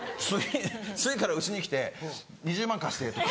次から家に来て「２０万円貸して」とか。